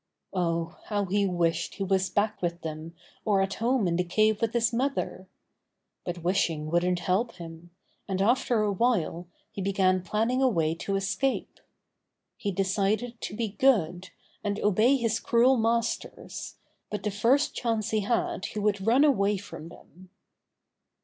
Oh, how he wished he was back with them or at home in the cave with his mother! But wishing wouldn't help him, and after a while he began planning a way to escape. He de cided to be good, and obey his cruel masters, but the first chance he had he would run away from them.